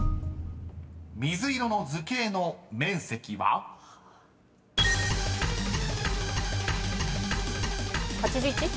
［水色の図形の面積は？］８１？